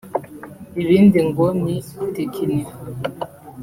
ibindi ngo ni itekinika